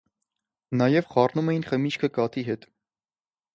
Նաև խառնում էին խմիչքը կաթի հետ։